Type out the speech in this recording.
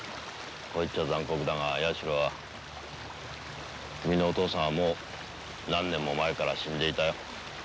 こう言っちゃ残酷だが矢代は君のお父さんはもう何年も前から死んでいたよ。